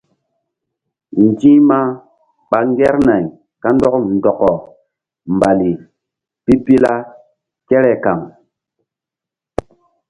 Nzi̧hma ɓa ŋgernay kandɔk ndɔkɔ mbali pipila kere kaŋ.